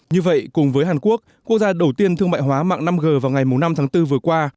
như vậy cùng với hàn quốc quốc gia đầu tiên thương mại hóa mạng năm g vào ngày năm tháng bốn vừa qua